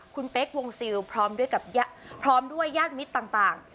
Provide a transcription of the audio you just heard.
คุณเป๊กวงซิลพร้อมด้วยย่านมิตรต่าง